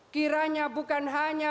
kiranya bukan hanya